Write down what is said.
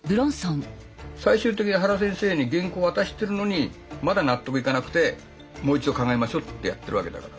最終的に原先生に原稿を渡してるのにまだ納得いかなくて「もう一度考えましょう」ってやってるわけだから。